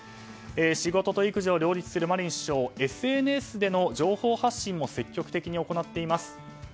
仕事と育児を両立するマリン首相、ＳＮＳでの情報発信も積極的に行っています。